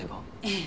ええ。